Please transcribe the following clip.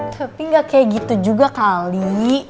tapi gak kayak gitu juga kali